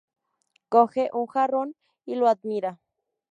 Coge un jarrón y lo admira.